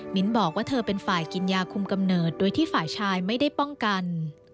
บอกว่าเธอเป็นฝ่ายกินยาคุมกำเนิดโดยที่ฝ่ายชายไม่ได้ป้องกัน